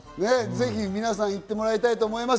ぜひ皆さん、行ってもらいたいと思います。